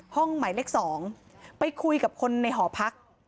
ห้องหมายเลข๒ไปคุยกับคนในหอพัก